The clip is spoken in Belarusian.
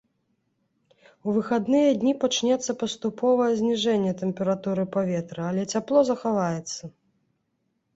У выхадныя дні пачнецца паступовае зніжэнне тэмпературы паветра, але цяпло захаваецца.